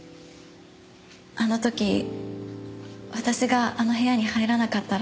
あの時私があの部屋に入らなかったら。